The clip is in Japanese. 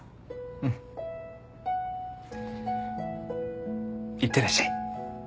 うん。いってらっしゃい。